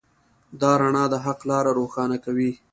دا رڼا د حق لاره روښانه کوي.